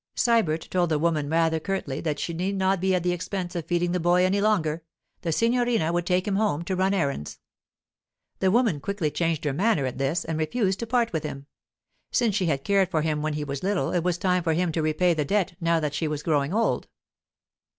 Sybert told the woman rather curtly that she need not be at the expense of feeding the boy any longer, the signorina would take him home to run errands. The woman quickly changed her manner at this, and refused to part with him. Since she had cared for him when he was little, it was time for him to repay the debt now that she was growing old.